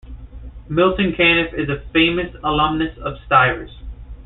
Milton Caniff is a famous alumnus of Stivers.